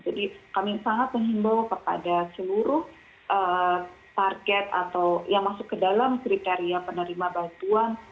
jadi kami sangat menghimbau kepada seluruh target atau yang masuk ke dalam kriteria penerima bantuan